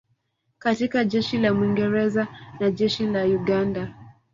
katika Jeshi la Mwingereza na Jeshi la Uganda